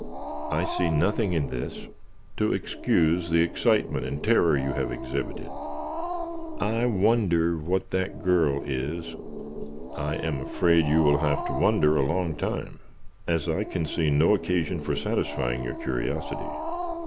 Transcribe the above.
I see nothing in this to excuse the excitement and terror you have exhibited." "I wonder what that girl is?" "I am afraid you will have to wonder a long time, as I can see no occasion for satisfying your curiosity."